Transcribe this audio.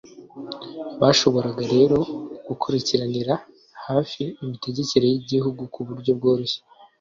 Bashoboraga rero gukurikiranira hafi imitegekere y’igihugu ku buryo bworoshye